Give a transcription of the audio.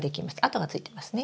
跡がついてますね。